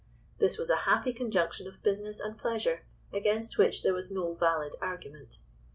This was a happy conjunction of business and pleasure, against which there was no valid argument.